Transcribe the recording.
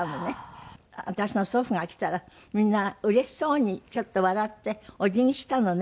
私の祖父が来たらみんなうれしそうにちょっと笑ってお辞儀したのね。